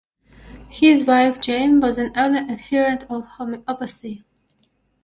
His wife, Jane, was an early adherent of homeopathy.